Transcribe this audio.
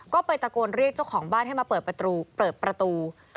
ก็ไปตะโกนเรียกเจ้าของบ้านให้มาเปิดประตูเปิดประตู